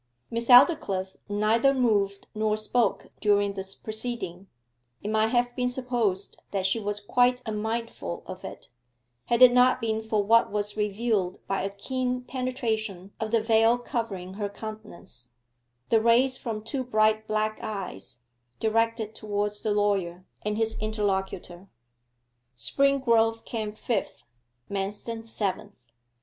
Miss Aldclyffe neither moved nor spoke during this proceeding; it might have been supposed that she was quite unmindful of it, had it not been for what was revealed by a keen penetration of the veil covering her countenance the rays from two bright black eyes, directed towards the lawyer and his interlocutor. Springrove came fifth; Manston seventh.